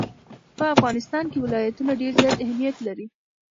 په افغانستان کې ولایتونه ډېر زیات اهمیت لري.